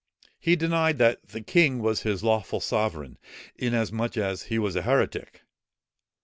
He denied that the king was his lawful sovereign, inasmuch as he was a heretic.